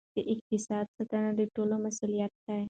د اقتصاد ساتنه د ټولو مسؤلیت دی.